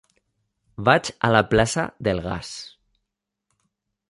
Vaig a la plaça del Gas.